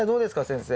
先生。